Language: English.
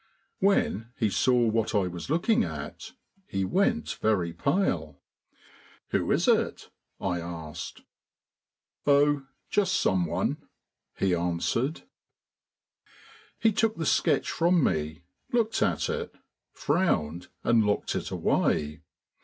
When, he saw what I was looking at he went very pale. "Who is it?" I asked. "Oh, just someone!" he answered. He took the sketch from me, looked at it, frowned and locked it away.